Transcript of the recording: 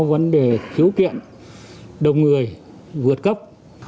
vấn đề thiếu kiện đồng người vượt cấp